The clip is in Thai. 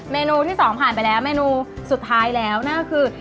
เมนูที่สองผ่านไปแล้วเมนูสุดท้ายแล้วนั่นก็คือ